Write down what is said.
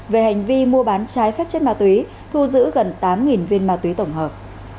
về hành vi mua bán trái phép chất ma túy thu giữ gần tám viên ma túy tổng hợp